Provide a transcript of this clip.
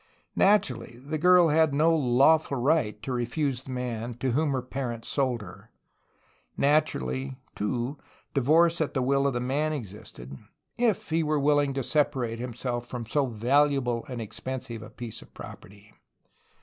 Naturally, the girl had no lawful right to refuse the man to whom her parents sold her. Naturally, too, divorce at the will of the man existed, — if he were willing to separate himself from^so valuable and expen sive a piece of property.